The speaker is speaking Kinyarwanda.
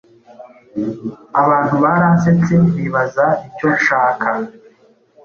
Abantu baransetse bibaza icyo nshaka,